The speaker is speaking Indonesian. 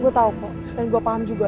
gue tau dan gue paham juga